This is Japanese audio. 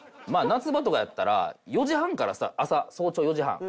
夏場とかやったら４時半からスタート朝早朝４時半。